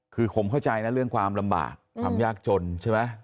คือผมเข้าใจนะเรื่องความลำบากความยากจนใช่ไหม